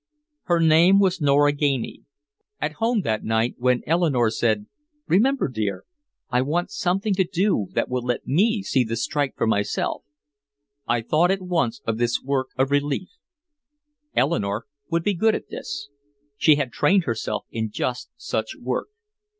Her name was Nora Ganey. At home that night when Eleanore said, "Remember, dear, I want something to do that will let me see the strike for myself" I thought at once of this work of relief. Eleanore would be good at this, she had trained herself in just such work.